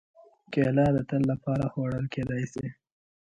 کېله د تل لپاره خوړل کېدای شي.